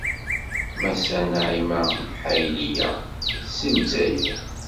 Massa Naɛima Mehayliya seg Lezzayer.